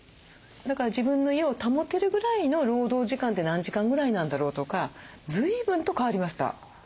だから自分の家を保てるぐらいの労働時間って何時間ぐらいなんだろうとか随分と変わりました。